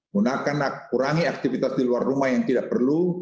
gunakan kurangi aktivitas di luar rumah yang tidak perlu